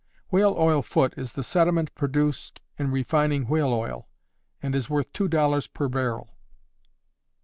Whale oil foot is the sediment produced in refining whale oil, and is worth two dollars per barrel.